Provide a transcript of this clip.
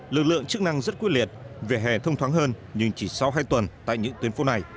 lực lượng chức năng rất quyết liệt về hè thông thoáng hơn nhưng chỉ sau hai tuần tại những tuyến phố này